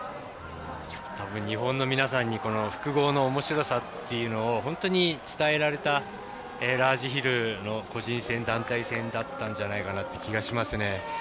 日本の皆さんに複合のおもしろさというのを本当に伝えられたラージヒルの個人戦、団体戦だったんじゃないかなって気がしますね。